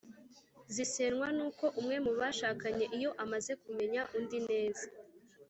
zisenywa n’uko umwe mu bashakanye iyo amaze kumenya undi neza